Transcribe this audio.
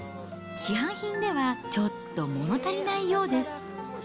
市販品ではちょっともの足りないようです。